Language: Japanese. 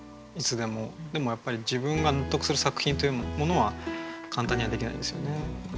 でもやっぱり自分が納得する作品というものは簡単にはできないですよね。